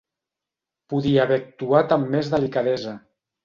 Podia haver actuat amb més delicadesa.